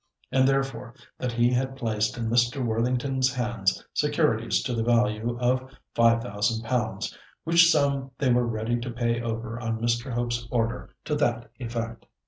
And therefore that he had placed in Mr. Worthington's hands securities to the value of five thousand pounds, which sum they were ready to pay over on Mr. Hope's order to that effect.